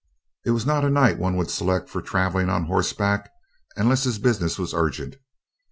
It was not a night one would select for traveling on horseback, unless his business was urgent.